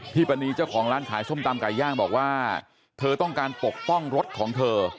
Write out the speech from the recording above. ปณีเจ้าของร้านขายส้มตำไก่ย่างบอกว่าเธอต้องการปกป้องรถของเธอ